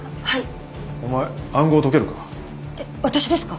はい！